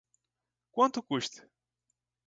Quanto custa?